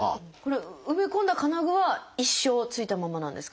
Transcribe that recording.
埋め込んだ金具は一生ついたままなんですか？